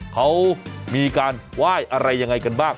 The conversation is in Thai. เขามีการไหว้อะไรยังไงกันบ้าง